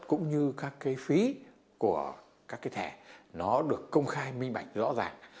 cũng như các phí của các thẻ nó được công khai minh bạch rõ ràng